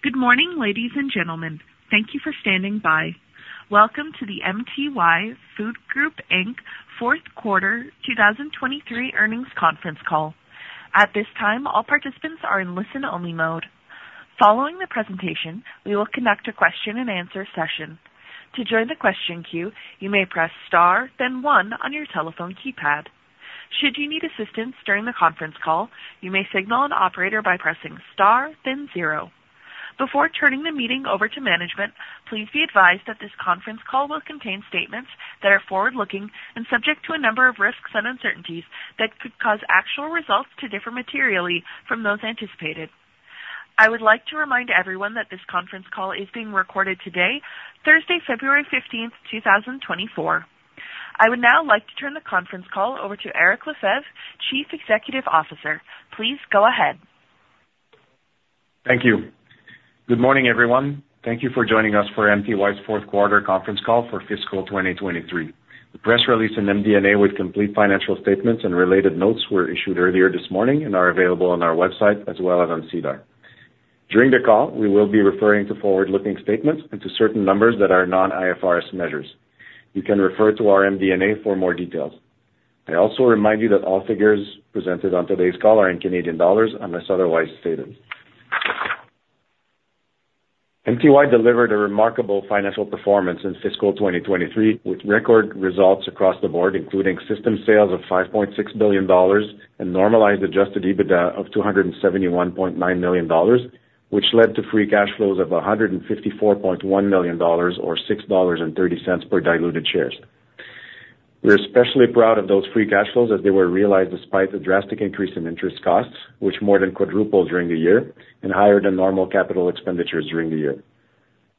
Good morning, ladies and gentlemen. Thank you for standing by. Welcome to the MTY Food Group Inc. fourth quarter 2023 earnings conference call. At this time, all participants are in listen-only mode. Following the presentation, we will conduct a question-and-answer session. To join the question queue, you may press star then one on your telephone keypad. Should you need assistance during the conference call, you may signal an operator by pressing star then zero. Before turning the meeting over to management, please be advised that this conference call will contain statements that are forward-looking and subject to a number of risks and uncertainties that could cause actual results to differ materially from those anticipated. I would like to remind everyone that this conference call is being recorded today, Thursday, February 15th, 2024. I would now like to turn the conference call over to Eric Lefebvre, Chief Executive Officer. Please go ahead. Thank you. Good morning, everyone. Thank you for joining us for MTY's fourth quarter conference call for fiscal 2023. The press release and MD&A with complete financial statements and related notes were issued earlier this morning and are available on our website as well as on SEDAR. During the call, we will be referring to forward-looking statements and to certain numbers that are non-IFRS measures. You can refer to our MD&A for more details. I also remind you that all figures presented on today's call are in Canadian dollars unless otherwise stated. MTY delivered a remarkable financial performance in fiscal 2023 with record results across the board, including system sales of 5.6 billion dollars and normalized adjusted EBITDA of 271.9 million dollars, which led to free cash flows of 154.1 million dollars or 6.30 dollars per diluted shares. We're especially proud of those free cash flows as they were realized despite the drastic increase in interest costs, which more than quadrupled during the year, and higher than normal capital expenditures during the year.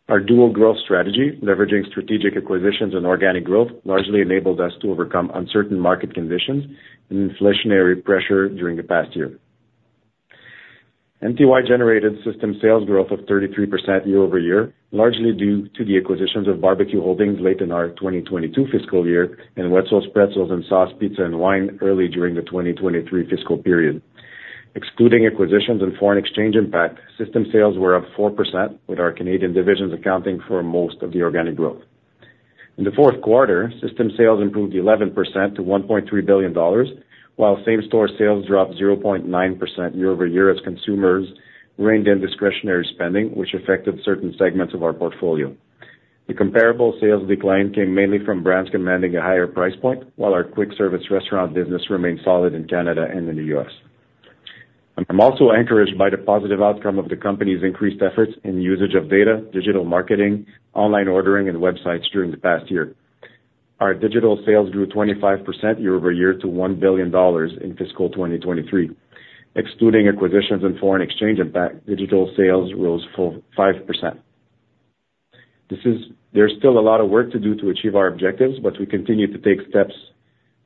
Our dual growth strategy, leveraging strategic acquisitions and organic growth, largely enabled us to overcome uncertain market conditions and inflationary pressure during the past year. MTY generated system sales growth of 33% year-over-year, largely due to the acquisitions of BBQ Holdings late in our 2022 fiscal year and Wetzel's Pretzels and Sauce Pizza and Wine early during the 2023 fiscal period. Excluding acquisitions and foreign exchange impact, system sales were up 4%, with our Canadian divisions accounting for most of the organic growth. In the fourth quarter, system sales improved 11% to 1.3 billion dollars, while same-store sales dropped 0.9% year-over-year as consumers reined in discretionary spending, which affected certain segments of our portfolio. The comparable sales decline came mainly from brands commanding a higher price point, while our quick-service restaurant business remained solid in Canada and in the U.S. I'm also encouraged by the positive outcome of the company's increased efforts in usage of data, digital marketing, online ordering, and websites during the past year. Our digital sales grew 25% year-over-year to 1 billion dollars in fiscal 2023. Excluding acquisitions and foreign exchange impact, digital sales rose 5%. There's still a lot of work to do to achieve our objectives, but we continue to take steps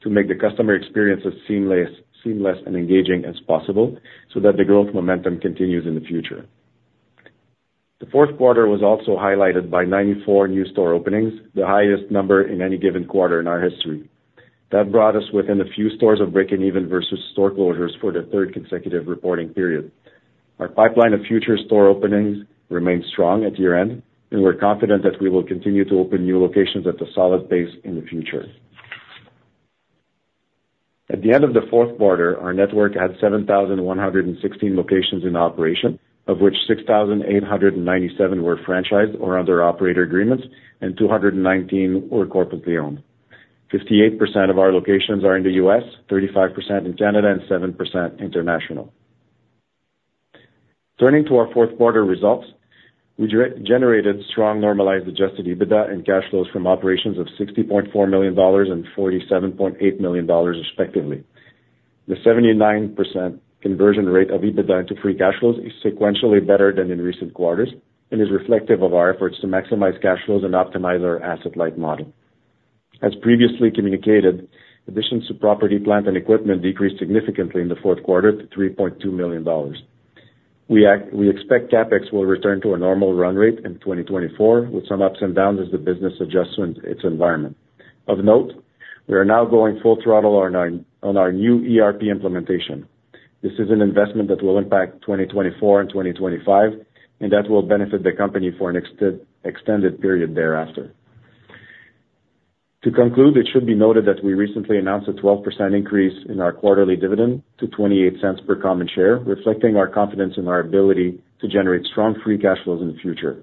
to make the customer experiences seamless and engaging as possible so that the growth momentum continues in the future. The fourth quarter was also highlighted by 94 new store openings, the highest number in any given quarter in our history. That brought us within a few stores of breaking even versus store closures for the third consecutive reporting period. Our pipeline of future store openings remained strong at year-end, and we're confident that we will continue to open new locations at a solid base in the future. At the end of the fourth quarter, our network had 7,116 locations in operation, of which 6,897 were franchised or under operator agreements, and 219 were corporately owned. 58% of our locations are in the U.S., 35% in Canada, and 7% international. Turning to our fourth quarter results, we generated strong normalized adjusted EBITDA and cash flows from operations of $60.4 million and $47.8 million, respectively. The 79% conversion rate of EBITDA into free cash flows is sequentially better than in recent quarters and is reflective of our efforts to maximize cash flows and optimize our asset-light model. As previously communicated, additions to property, plant, and equipment decreased significantly in the fourth quarter to 3.2 million dollars. We expect CapEx will return to a normal run rate in 2024, with some ups and downs as the business adjusts to its environment. Of note, we are now going full throttle on our new ERP implementation. This is an investment that will impact 2024 and 2025, and that will benefit the company for an extended period thereafter. To conclude, it should be noted that we recently announced a 12% increase in our quarterly dividend to 0.28 per common share, reflecting our confidence in our ability to generate strong free cash flows in the future.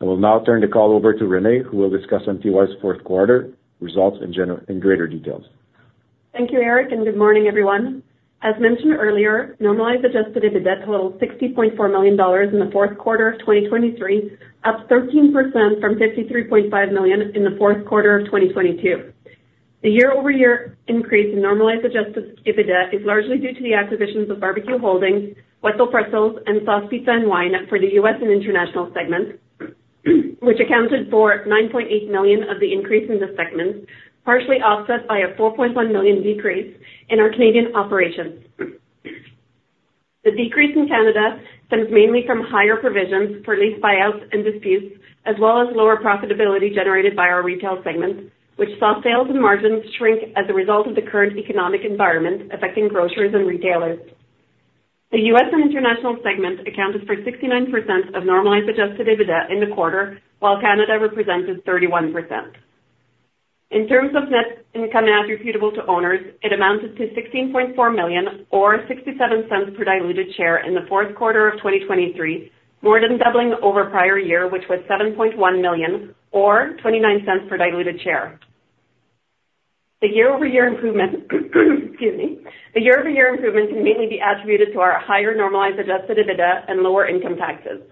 I will now turn the call over to Renée, who will discuss MTY's fourth quarter results in greater details. Thank you, Eric, and good morning, everyone. As mentioned earlier, normalized adjusted EBITDA totaled 60.4 million dollars in the fourth quarter of 2023, up 13% from 53.5 million in the fourth quarter of 2022. The year-over-year increase in normalized adjusted EBITDA is largely due to the acquisitions of BBQ Holdings, Wetzel's Pretzels, and Sauce Pizza and Wine for the U.S. and international segments, which accounted for 9.8 million of the increase in the segments, partially offset by a 4.1 million decrease in our Canadian operations. The decrease in Canada stems mainly from higher provisions for lease buyouts and disputes, as well as lower profitability generated by our retail segments, which saw sales and margins shrink as a result of the current economic environment affecting grocers and retailers. The U.S. and international segments accounted for 69% of normalized adjusted EBITDA in the quarter, while Canada represented 31%. In terms of net income and attributable to owners, it amounted to 16.4 million or 0.67 per diluted share in the fourth quarter of 2023, more than doubling over prior year, which was 7.1 million or 0.29 per diluted share. The year-over-year improvement can mainly be attributed to our higher normalized adjusted EBITDA and lower income taxes.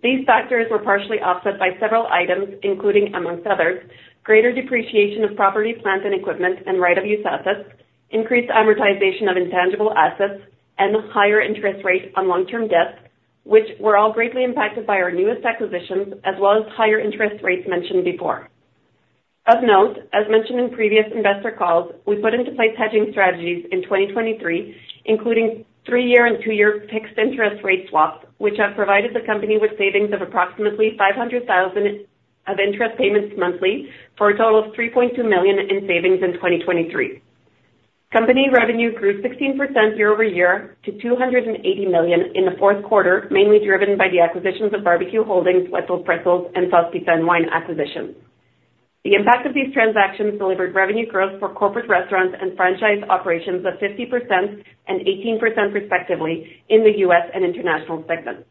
These factors were partially offset by several items, including, among others, greater depreciation of property, plant, and equipment, and right of use assets, increased amortization of intangible assets, and higher interest rate on long-term debt, which were all greatly impacted by our newest acquisitions as well as higher interest rates mentioned before. Of note, as mentioned in previous investor calls, we put into place hedging strategies in 2023, including three-year and two-year fixed interest rate swaps, which have provided the company with savings of approximately 500,000 of interest payments monthly for a total of 3.2 million in savings in 2023. Company revenue grew 16% year-over-year to 280 million in the fourth quarter, mainly driven by the acquisitions of BBQ Holdings, Wetzel's Pretzels, and Sauce Pizza and Wine acquisitions. The impact of these transactions delivered revenue growth for corporate restaurants and franchise operations of 50% and 18%, respectively, in the U.S. and international segments.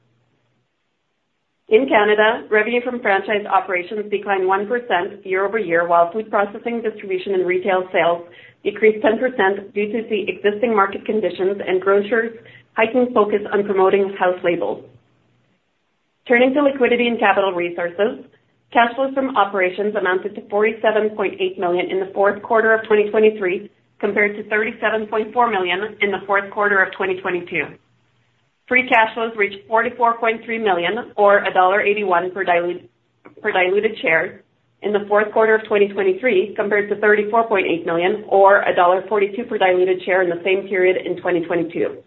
In Canada, revenue from franchise operations declined 1% year-over-year, while food processing, distribution, and retail sales decreased 10% due to the existing market conditions and grocers' heightened focus on promoting house labels. Turning to liquidity and capital resources, cash flows from operations amounted to CAD 47.8 million in the fourth quarter of 2023 compared to CAD 37.4 million in the fourth quarter of 2022. Free cash flows reached CAD 44.3 million or CAD 1.81 per diluted share in the fourth quarter of 2023 compared to CAD 34.8 million or CAD 1.42 per diluted share in the same period in 2022.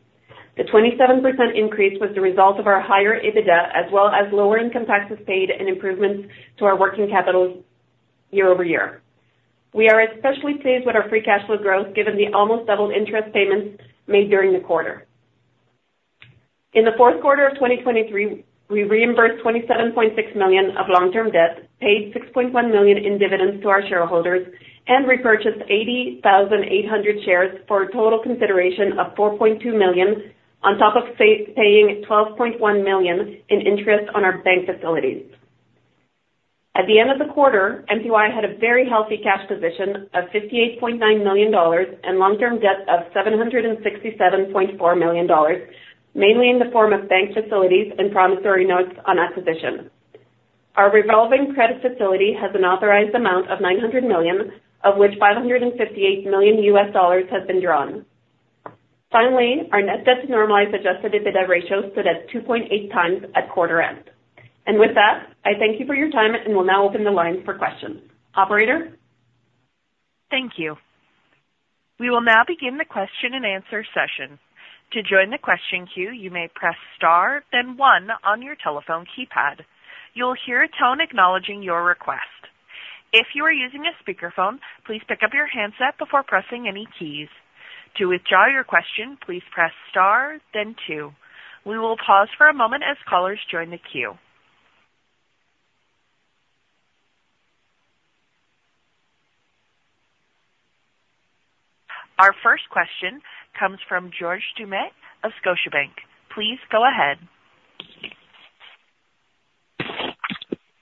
The 27% increase was the result of our higher EBITDA as well as lower income taxes paid and improvements to our working capital year-over-year. We are especially pleased with our free cash flow growth given the almost doubled interest payments made during the quarter. In the fourth quarter of 2023, we reimbursed 27.6 million of long-term debt, paid 6.1 million in dividends to our shareholders, and repurchased 80,800 shares for a total consideration of 4.2 million on top of paying 12.1 million in interest on our bank facilities. At the end of the quarter, MTY had a very healthy cash position of 58.9 million dollars and long-term debt of 767.4 million dollars, mainly in the form of bank facilities and promissory notes on acquisition. Our revolving credit facility has an authorized amount of 900 million, of which CAD 558 million has been drawn. Finally, our net debt to normalized adjusted EBITDA ratio stood at 2.8x at quarter end. With that, I thank you for your time and will now open the lines for questions. Operator? Thank you. We will now begin the question-and-answer session. To join the question queue, you may press star then one on your telephone keypad. You'll hear a tone acknowledging your request. If you are using a speakerphone, please pick up your handset before pressing any keys. To withdraw your question, please press star then two. We will pause for a moment as callers join the queue. Our first question comes from George Doumet of Scotiabank. Please go ahead.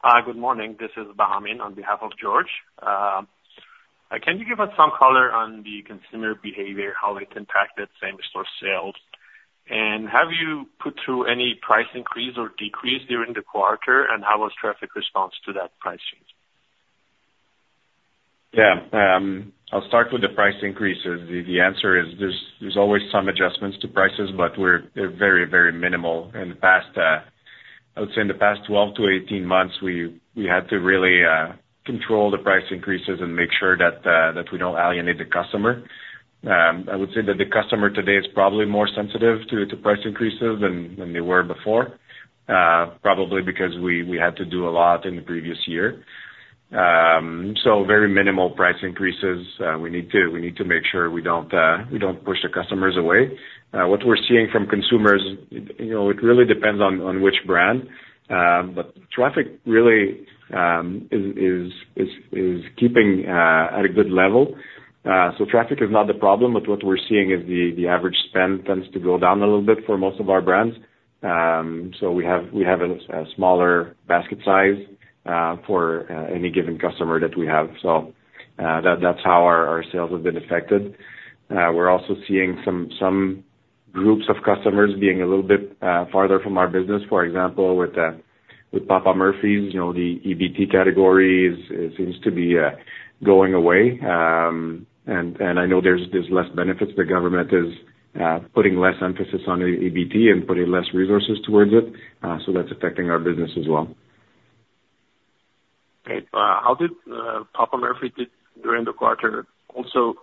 Hi, good morning. This is Bahamin on behalf of George. Can you give us some colour on the consumer behavior, how it impacted same-store sales? Have you put through any price increase or decrease during the quarter, and how was traffic response to that price change? Yeah. I'll start with the price increases. The answer is there's always some adjustments to prices, but they're very, very minimal. In the past I would say in the past 12-18 months, we had to really control the price increases and make sure that we don't alienate the customer. I would say that the customer today is probably more sensitive to price increases than they were before, probably because we had to do a lot in the previous year. So very minimal price increases. We need to make sure we don't push the customers away. What we're seeing from consumers, it really depends on which brand, but traffic really is keeping at a good level. So traffic is not the problem, but what we're seeing is the average spend tends to go down a little bit for most of our brands. So we have a smaller basket size for any given customer that we have. So that's how our sales have been affected. We're also seeing some groups of customers being a little bit farther from our business. For example, with Papa Murphy's, the EBT category seems to be going away. And I know there's less benefits. The government is putting less emphasis on EBT and putting less resources towards it. So that's affecting our business as well. Okay. How did Papa Murphy's do during the quarter? Also,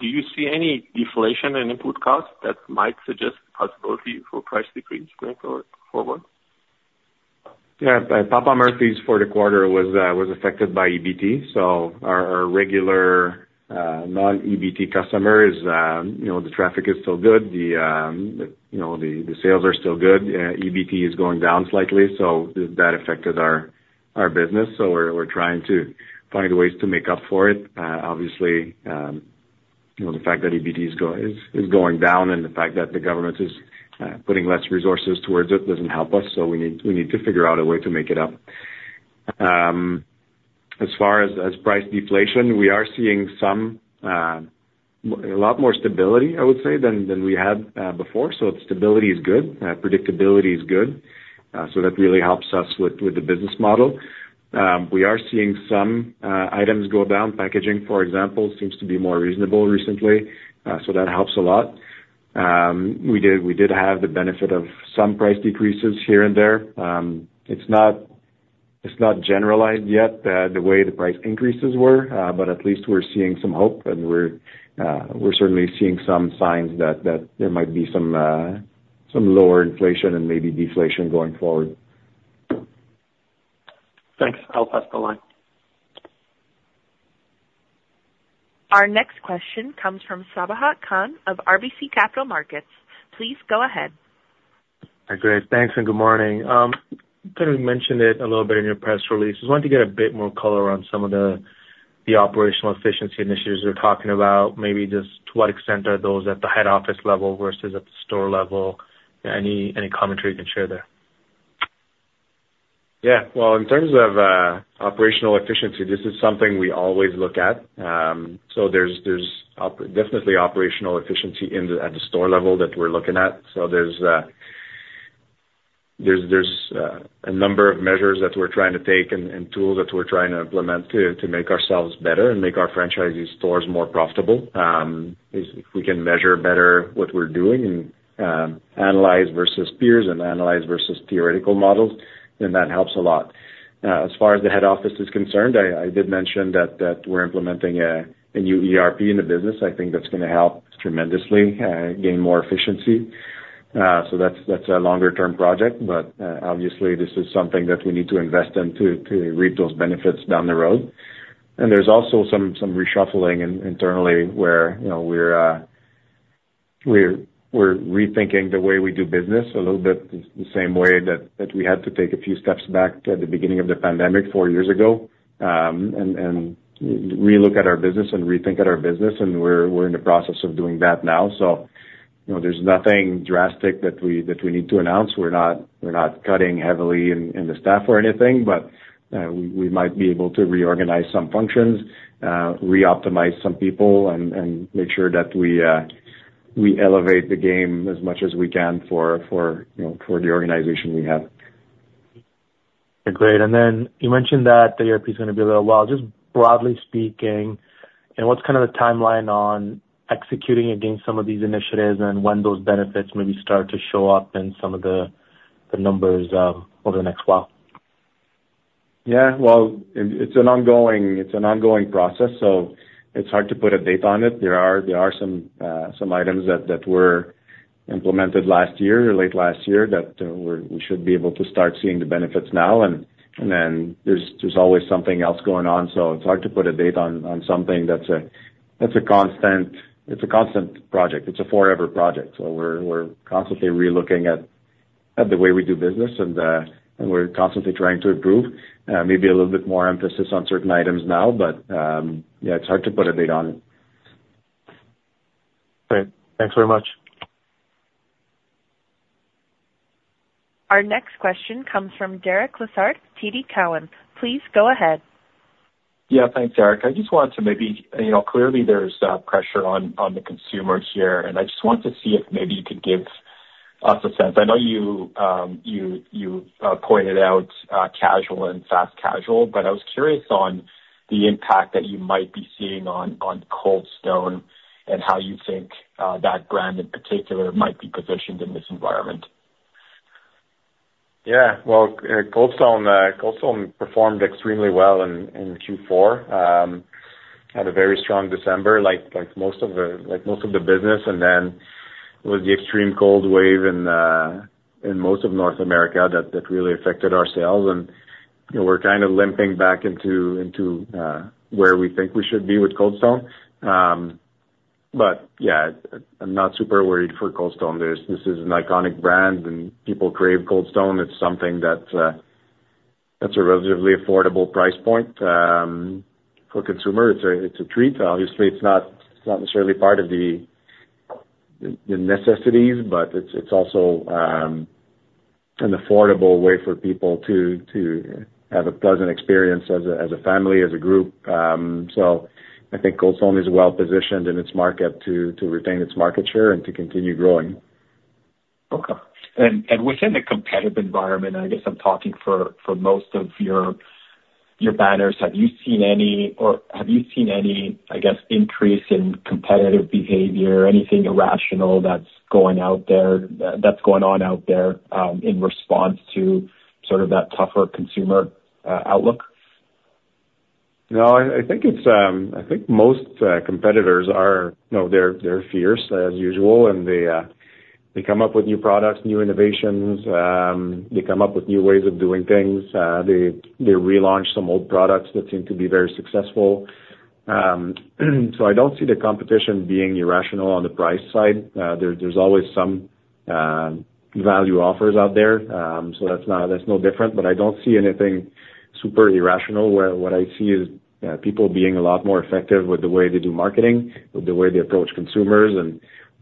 do you see any deflation and input costs that might suggest the possibility for price decrease going forward? Yeah. Papa Murphy's, for the quarter, was affected by EBT. So our regular non-EBT customers, the traffic is still good. The sales are still good. EBT is going down slightly, so that affected our business. So we're trying to find ways to make up for it. Obviously, the fact that EBT is going down and the fact that the government is putting less resources towards it doesn't help us. So we need to figure out a way to make it up. As far as price deflation, we are seeing a lot more stability, I would say, than we had before. So stability is good. Predictability is good. So that really helps us with the business model. We are seeing some items go down. Packaging, for example, seems to be more reasonable recently. So that helps a lot. We did have the benefit of some price decreases here and there. It's not generalized yet the way the price increases were, but at least we're seeing some hope, and we're certainly seeing some signs that there might be some lower inflation and maybe deflation going forward. Thanks. I'll pass the line. Our next question comes from Sabahat Khan of RBC Capital Markets. Please go ahead. Hi, Eric. Thanks and good morning. I thought you mentioned it a little bit in your press release. I just wanted to get a bit more colour on some of the operational efficiency initiatives you're talking about, maybe just to what extent are those at the head office level versus at the store level. Any commentary you can share there? Yeah. Well, in terms of operational efficiency, this is something we always look at. So there's definitely operational efficiency at the store level that we're looking at. So there's a number of measures that we're trying to take and tools that we're trying to implement to make ourselves better and make our franchisee stores more profitable. If we can measure better what we're doing and analyze versus peers and analyze versus theoretical models, then that helps a lot. As far as the head office is concerned, I did mention that we're implementing a new ERP in the business. I think that's going to help tremendously gain more efficiency. So that's a longer-term project, but obviously, this is something that we need to invest in to reap those benefits down the road. There's also some reshuffling internally where we're rethinking the way we do business a little bit the same way that we had to take a few steps back at the beginning of the pandemic four years ago and relook at our business and rethink at our business. We're in the process of doing that now. There's nothing drastic that we need to announce. We're not cutting heavily in the staff or anything, but we might be able to reorganize some functions, reoptimize some people, and make sure that we elevate the game as much as we can for the organization we have. Okay. Great. And then you mentioned that the ERP is going to be a little while. Just broadly speaking, what's kind of the timeline on executing against some of these initiatives and when those benefits maybe start to show up in some of the numbers over the next while? Yeah. Well, it's an ongoing process, so it's hard to put a date on it. There are some items that were implemented last year or late last year that we should be able to start seeing the benefits now. And then there's always something else going on. So it's hard to put a date on something that's a constant. It's a constant project. It's a forever project. So we're constantly relooking at the way we do business, and we're constantly trying to improve. Maybe a little bit more emphasis on certain items now, but yeah, it's hard to put a date on it. Great. Thanks very much. Our next question comes from Derek Lessard, TD Cowen. Please go ahead. Yeah. Thanks, Eric. I just wanted to maybe clearly, there's pressure on the consumer here, and I just wanted to see if maybe you could give us a sense. I know you pointed out casual and fast casual, but I was curious on the impact that you might be seeing on Cold Stone and how you think that brand in particular might be positioned in this environment. Yeah. Well, Cold Stone performed extremely well in Q4, had a very strong December like most of the business. And then it was the extreme cold wave in most of North America that really affected our sales. And we're kind of limping back into where we think we should be with Cold Stone. But yeah, I'm not super worried for Cold Stone. This is an iconic brand, and people crave Cold Stone. It's something that's a relatively affordable price point for consumer. It's a treat. Obviously, it's not necessarily part of the necessities, but it's also an affordable way for people to have a pleasant experience as a family, as a group. So I think Cold Stone is well positioned in its market to retain its market share and to continue growing. Okay. And within the competitive environment, I guess I'm talking for most of your banners, have you seen any or have you seen any, I guess, increase in competitive behavior, anything irrational that's going on out there in response to sort of that tougher consumer outlook? No. I think most competitors are. They're fierce, as usual, and they come up with new products, new innovations. They come up with new ways of doing things. They relaunch some old products that seem to be very successful. So I don't see the competition being irrational on the price side. There's always some value offers out there, so that's no different. But I don't see anything super irrational. What I see is people being a lot more effective with the way they do marketing, with the way they approach consumers,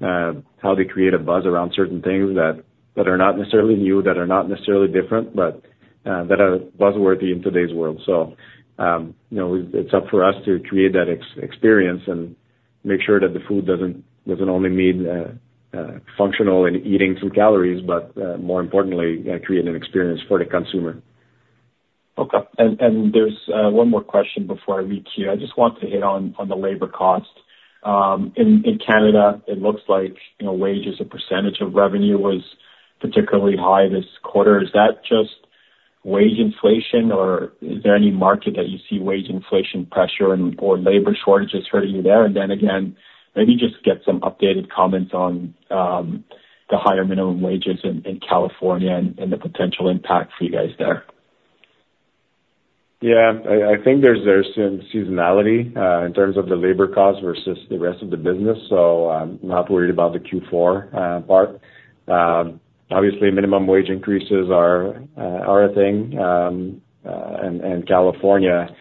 and how they create a buzz around certain things that are not necessarily new, that are not necessarily different, but that are buzzworthy in today's world. So it's up for us to create that experience and make sure that the food doesn't only mean functional and eating some calories, but more importantly, create an experience for the consumer. Okay. There's one more question before I read queue. I just want to hit on the labor cost. In Canada, it looks like wages, a percentage of revenue, was particularly high this quarter. Is that just wage inflation, or is there any market that you see wage inflation pressure or labor shortages hurting you there? And then again, maybe just get some updated comments on the higher minimum wages in California and the potential impact for you guys there. Yeah. I think there's some seasonality in terms of the labor costs versus the rest of the business. So I'm not worried about the Q4 part. Obviously, minimum wage increases are a thing. And California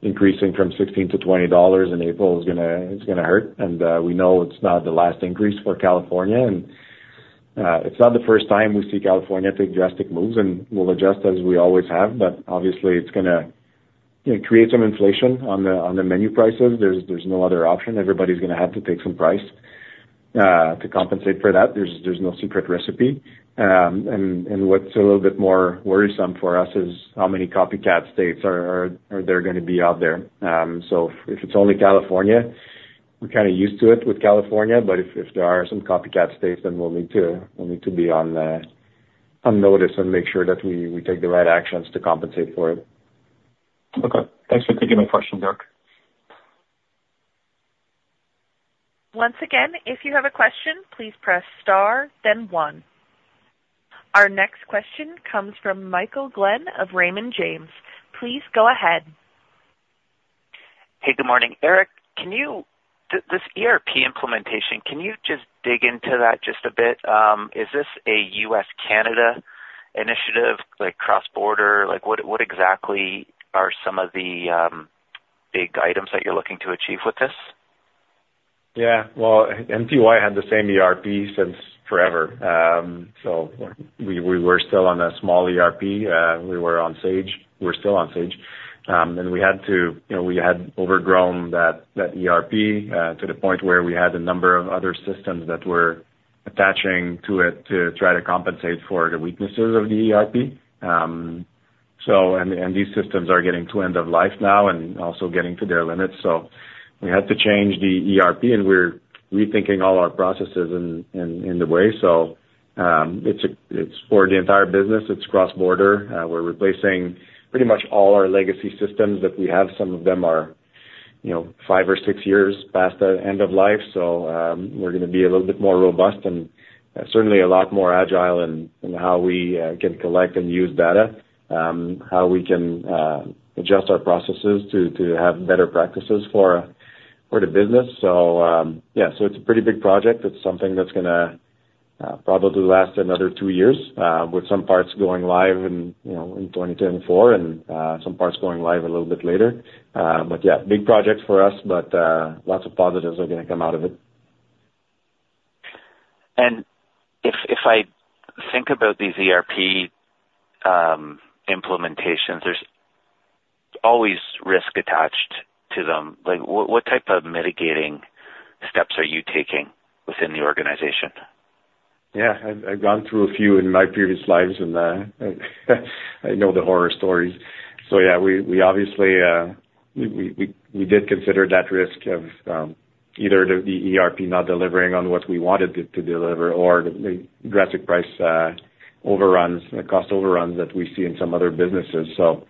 increasing from $16 to $20 in April is going to hurt. And we know it's not the last increase for California. And it's not the first time we see California take drastic moves, and we'll adjust as we always have. But obviously, it's going to create some inflation on the menu prices. There's no other option. Everybody's going to have to take some price to compensate for that. There's no secret recipe. And what's a little bit more worrisome for us is how many copycat states are there going to be out there. So if it's only California, we're kind of used to it with California. If there are some copycat states, then we'll need to be on notice and make sure that we take the right actions to compensate for it. Okay. Thanks for taking my question, Eric. Once again, if you have a question, please press star, then one. Our next question comes from Michael Glen of Raymond James. Please go ahead. Hey. Good morning, Eric. This ERP implementation, can you just dig into that just a bit? Is this a U.S.-Canada initiative, like cross-border? What exactly are some of the big items that you're looking to achieve with this? Yeah. Well, MTY had the same ERP since forever. So we were still on a small ERP. We were on Sage. We're still on Sage. And we had to, we had overgrown that ERP to the point where we had a number of other systems that were attaching to it to try to compensate for the weaknesses of the ERP. And these systems are getting to end of life now and also getting to their limits. So we had to change the ERP, and we're rethinking all our processes in the way. So it's for the entire business. It's cross-border. We're replacing pretty much all our legacy systems that we have. Some of them are five or six years past the end of life. We're going to be a little bit more robust and certainly a lot more agile in how we can collect and use data, how we can adjust our processes to have better practices for the business. So yeah. So it's a pretty big project. It's something that's going to probably last another two years with some parts going live in 2024 and some parts going live a little bit later. But yeah, big project for us, but lots of positives are going to come out of it. If I think about these ERP implementations, there's always risk attached to them. What type of mitigating steps are you taking within the organization? Yeah. I've gone through a few in my previous lives, and I know the horror stories. So yeah, we obviously did consider that risk of either the ERP not delivering on what we wanted it to deliver or the drastic price overruns, cost overruns that we see in some other businesses. So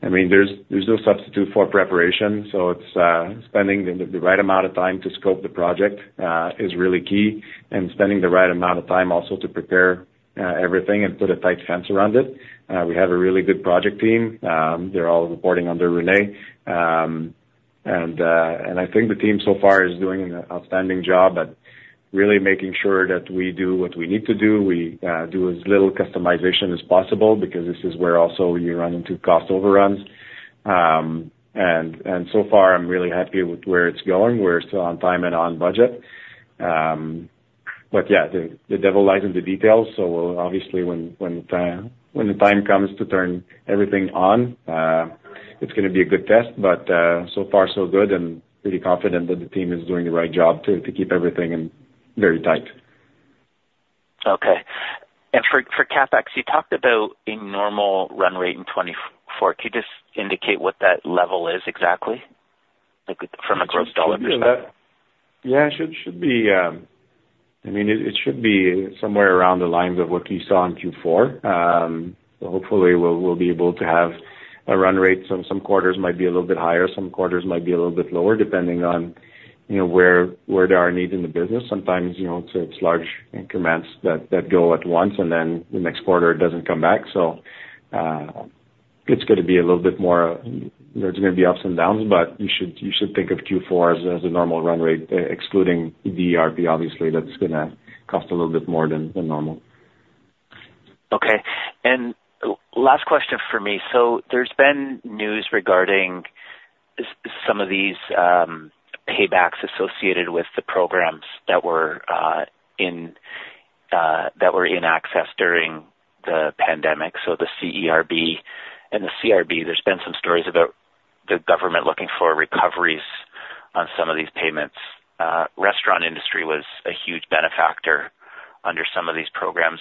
I mean, there's no substitute for preparation. So spending the right amount of time to scope the project is really key and spending the right amount of time also to prepare everything and put a tight fence around it. We have a really good project team. They're all reporting under Renée. And I think the team so far is doing an outstanding job at really making sure that we do what we need to do. We do as little customization as possible because this is where also you run into cost overruns. So far, I'm really happy with where it's going. We're still on time and on budget. But yeah, the devil lies in the details. So obviously, when the time comes to turn everything on, it's going to be a good test. But so far, so good and pretty confident that the team is doing the right job to keep everything very tight. Okay. And for CapEx, you talked about a normal run rate in 2024. Can you just indicate what that level is exactly from a gross dollar perspective? Yeah. I mean, it should be somewhere around the lines of what you saw in Q4. So hopefully, we'll be able to have a run rate. Some quarters might be a little bit higher. Some quarters might be a little bit lower depending on where there are needs in the business. Sometimes it's large increments that go at once, and then the next quarter it doesn't come back. So it's going to be a little bit more, there's going to be ups and downs, but you should think of Q4 as a normal run rate excluding the ERP, obviously, that's going to cost a little bit more than normal. Okay. And last question for me. So there's been news regarding some of these paybacks associated with the programs that were in effect during the pandemic, so the CERB and the CRB. There's been some stories about the government looking for recoveries on some of these payments. Restaurant industry was a huge benefactor under some of these programs.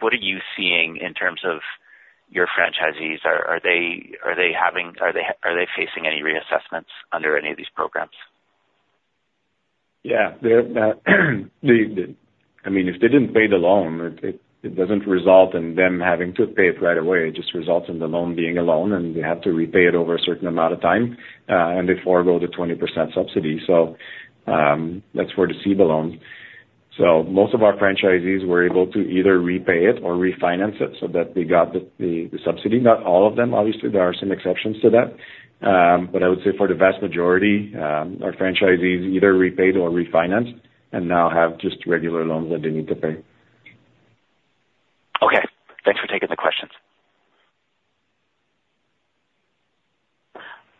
What are you seeing in terms of your franchisees? Are they facing any reassessments under any of these programs? Yeah. I mean, if they didn't pay the loan, it doesn't result in them having to pay it right away. It just results in the loan being a loan, and they have to repay it over a certain amount of time, and they forego the 20% subsidy. So that's where the CEBA loans. So most of our franchisees were able to either repay it or refinance it so that they got the subsidy. Not all of them, obviously. There are some exceptions to that. But I would say for the vast majority, our franchisees either repaid or refinanced and now have just regular loans that they need to pay. Okay. Thanks for taking the questions.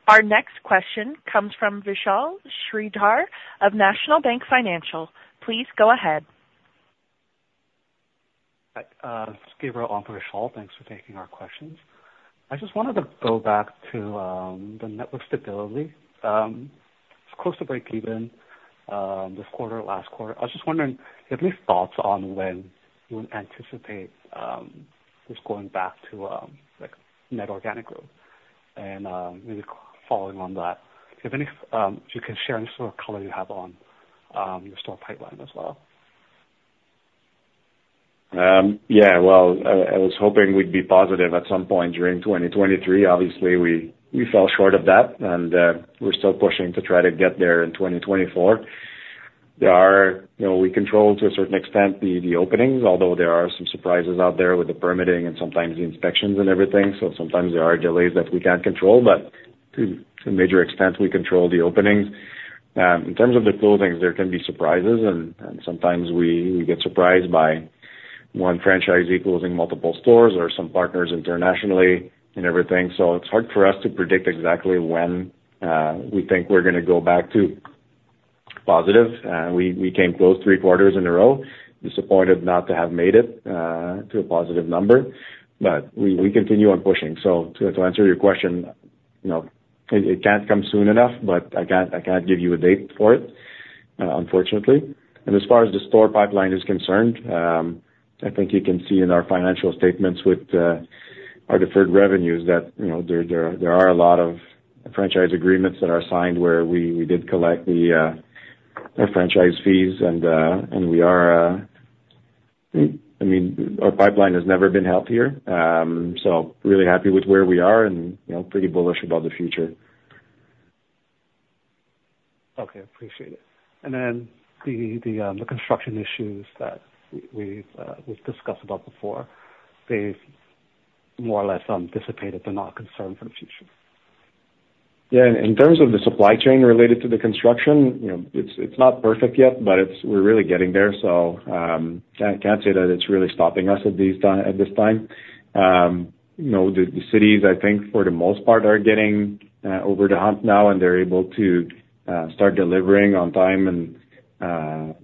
Our next question comes from Vishal Shreedhar of National Bank Financial. Please go ahead. Hi. It's Gabriel Alvarez-Shaw. Thanks for taking our questions. I just wanted to go back to the network stability. It's close to break-even this quarter, last quarter. I was just wondering if you have any thoughts on when you would anticipate just going back to net organic growth and maybe following on that. If you can share any sort of colour you have on your store pipeline as well. Yeah. Well, I was hoping we'd be positive at some point during 2023. Obviously, we fell short of that, and we're still pushing to try to get there in 2024. We control to a certain extent the openings, although there are some surprises out there with the permitting and sometimes the inspections and everything. So sometimes there are delays that we can't control, but to a major extent, we control the openings. In terms of the closings, there can be surprises, and sometimes we get surprised by one franchisee closing multiple stores or some partners internationally and everything. So it's hard for us to predict exactly when we think we're going to go back to positive. We came close three quarters in a row, disappointed not to have made it to a positive number. But we continue on pushing. To answer your question, it can't come soon enough, but I can't give you a date for it, unfortunately. As far as the store pipeline is concerned, I think you can see in our financial statements with our deferred revenues that there are a lot of franchise agreements that are signed where we did collect our franchise fees. I mean, our pipeline has never been healthier. Really happy with where we are and pretty bullish about the future. Okay. Appreciate it. And then the construction issues that we've discussed about before, they've more or less dissipated. They're not concerned for the future. Yeah. In terms of the supply chain related to the construction, it's not perfect yet, but we're really getting there. So I can't say that it's really stopping us at this time. The cities, I think, for the most part, are getting over the hump now, and they're able to start delivering on time and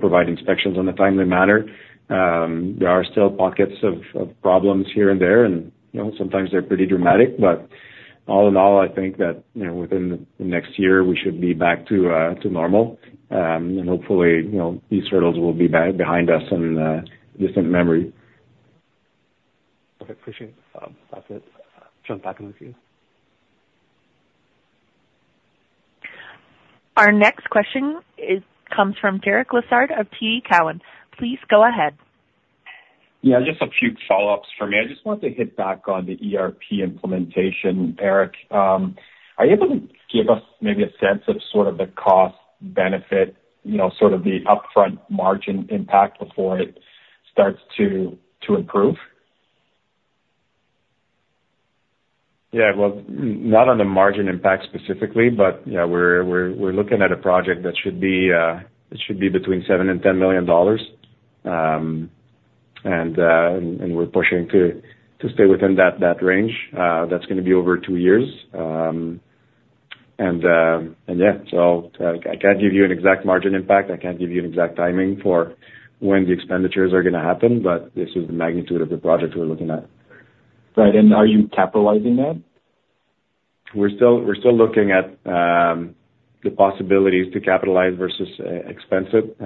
provide inspections in a timely manner. There are still pockets of problems here and there, and sometimes they're pretty dramatic. But all in all, I think that within the next year, we should be back to normal. Hopefully, these hurdles will be behind us and a distant memory. Okay. Appreciate it. That's it. Jump back in with you. Our next question comes from Derek Lessard of TD Cowen. Please go ahead. Yeah. Just a few follow-ups for me. I just wanted to hit back on the ERP implementation, Eric. Are you able to give us maybe a sense of sort of the cost-benefit, sort of the upfront margin impact before it starts to improve? Yeah. Well, not on the margin impact specifically, but yeah, we're looking at a project that should be between 7 million and 10 million dollars, and we're pushing to stay within that range. That's going to be over two years. And yeah. So I can't give you an exact margin impact. I can't give you an exact timing for when the expenditures are going to happen, but this is the magnitude of the project we're looking at. Right. And are you capitalizing that? We're still looking at the possibilities to capitalize versus expense it.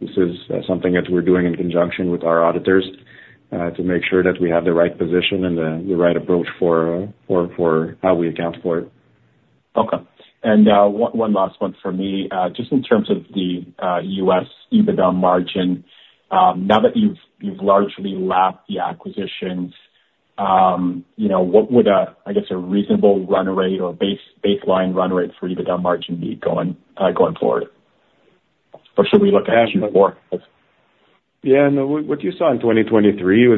This is something that we're doing in conjunction with our auditors to make sure that we have the right position and the right approach for how we account for it. Okay. And one last one for me. Just in terms of the U.S. EBITDA margin, now that you've largely lapped the acquisitions, what would, I guess, a reasonable run rate or baseline run rate for EBITDA margin be going forward? Or should we look at Q4? Yeah. No. What you saw in 2023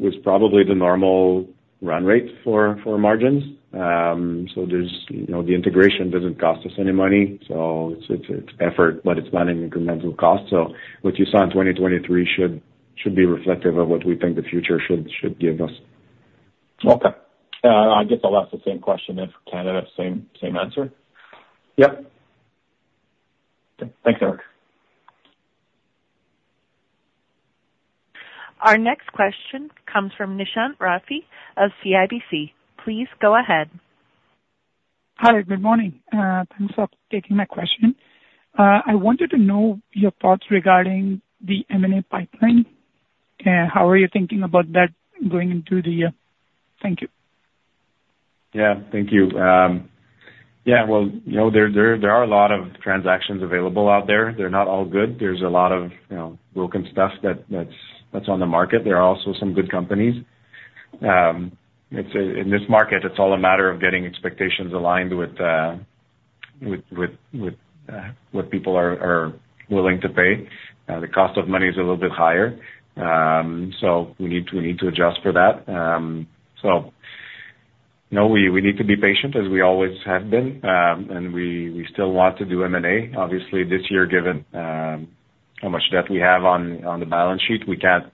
was probably the normal run rate for margins. So the integration doesn't cost us any money. So it's effort, but it's not an incremental cost. So what you saw in 2023 should be reflective of what we think the future should give us. Okay. I guess I'll ask the same question if Canada, same answer. Yep. Okay. Thanks, Eric. Our next question comes from Nishant Sharda of CIBC. Please go ahead. Hi. Good morning. Thanks for taking my question. I wanted to know your thoughts regarding the M&A pipeline. How are you thinking about that going into the year? Thank you. Yeah. Thank you. Yeah. Well, there are a lot of transactions available out there. They're not all good. There's a lot of broken stuff that's on the market. There are also some good companies. In this market, it's all a matter of getting expectations aligned with what people are willing to pay. The cost of money is a little bit higher, so we need to adjust for that. We need to be patient as we always have been, and we still want to do M&A. Obviously, this year, given how much debt we have on the balance sheet, we can't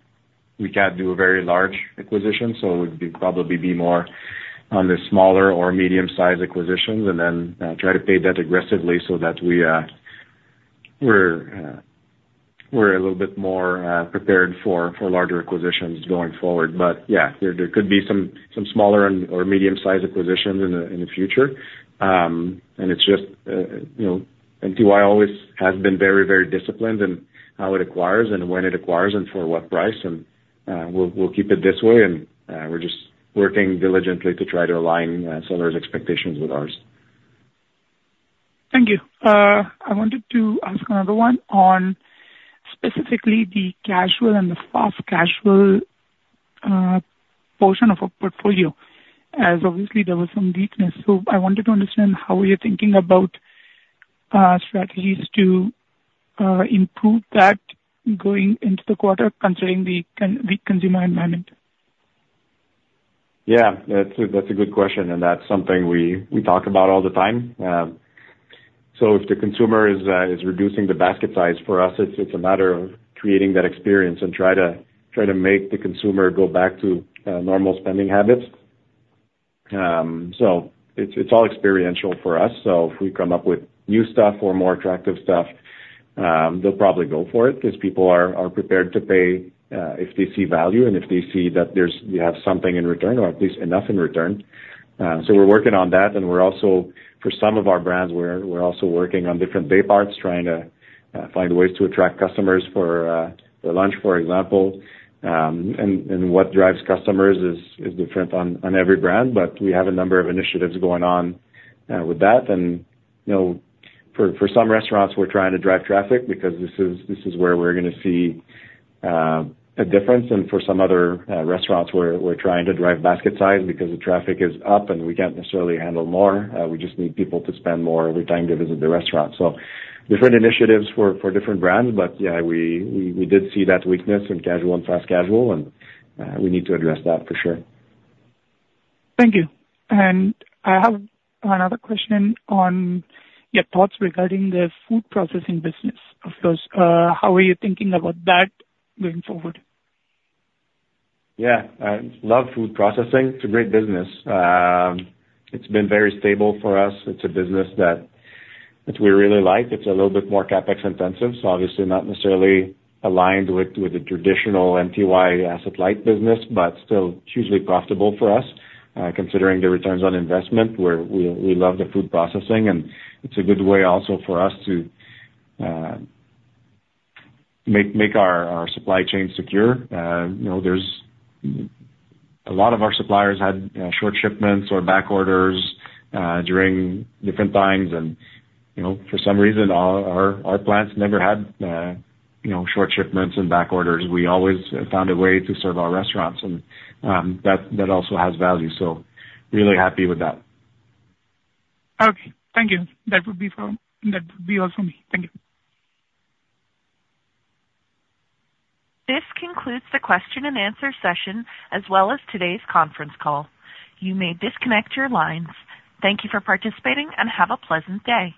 do a very large acquisition. We'd probably be more on the smaller or medium-sized acquisitions and then try to pay debt aggressively so that we're a little bit more prepared for larger acquisitions going forward. But yeah, there could be some smaller or medium-sized acquisitions in the future. It's just MTY always has been very, very disciplined in how it acquires and when it acquires and for what price. We'll keep it this way, and we're just working diligently to try to align sellers' expectations with ours. Thank you. I wanted to ask another one on specifically the casual and the fast casual portion of our portfolio as obviously, there was some weakness. So I wanted to understand how are you thinking about strategies to improve that going into the quarter considering the consumer environment? Yeah. That's a good question, and that's something we talk about all the time. So if the consumer is reducing the basket size for us, it's a matter of creating that experience and try to make the consumer go back to normal spending habits. So it's all experiential for us. So if we come up with new stuff or more attractive stuff, they'll probably go for it because people are prepared to pay if they see value and if they see that they have something in return or at least enough in return. So we're working on that. And for some of our brands, we're also working on different day parts, trying to find ways to attract customers for lunch, for example. And what drives customers is different on every brand, but we have a number of initiatives going on with that. For some restaurants, we're trying to drive traffic because this is where we're going to see a difference. For some other restaurants, we're trying to drive basket size because the traffic is up, and we can't necessarily handle more. We just need people to spend more of their time to visit the restaurant. Different initiatives for different brands. Yeah, we did see that weakness in casual and fast casual, and we need to address that for sure. Thank you. I have another question on your thoughts regarding the food processing business. Of course, how are you thinking about that going forward? Yeah. I love food processing. It's a great business. It's been very stable for us. It's a business that we really like. It's a little bit more CapEx-intensive, so obviously, not necessarily aligned with the traditional MTY asset-light business, but still hugely profitable for us considering the returns on investment. We love the food processing, and it's a good way also for us to make our supply chain secure. A lot of our suppliers had short shipments or back orders during different times, and for some reason, our plants never had short shipments and back orders. We always found a way to serve our restaurants, and that also has value. So really happy with that. Okay. Thank you. That would be all from me. Thank you. This concludes the question-and-answer session as well as today's conference call. You may disconnect your lines. Thank you for participating, and have a pleasant day.